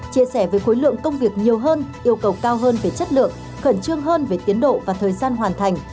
chia sẻ với khối lượng công việc nhiều hơn yêu cầu cao hơn về chất lượng khẩn trương hơn về tiến độ và thời gian hoàn thành